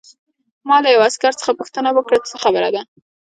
ما له یوه عسکر څخه پوښتنه وکړه چې څه خبره ده